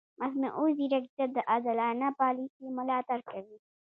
مصنوعي ځیرکتیا د عادلانه پالیسي ملاتړ کوي.